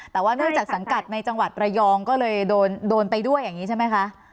แต่ว่าเนื่องจากสังกัดในจังหวัดระยองก็เลยโดนไปด้วยอย่างนี้ใช่ไหมคะ